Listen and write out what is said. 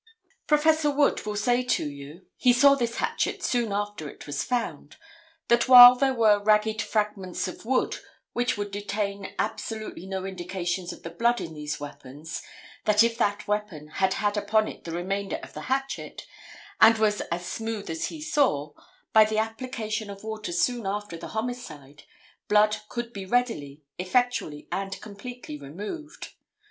Prof. Wood will say to you—he saw this hatchet soon after it was found—that while there were ragged fragments of wood which would detain absolutely no indications of the blood in these weapons, that if that weapon had had upon it the remainder of the hatchet, and was as smooth as he saw, by the application of water soon after the homicide, blood could be readily, effectually and completely removed.